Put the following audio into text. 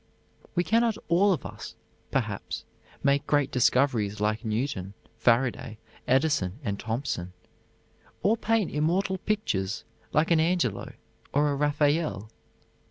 We can not all of us perhaps make great discoveries like Newton, Faraday, Edison, and Thompson, or paint immortal pictures like an Angelo or a Raphael.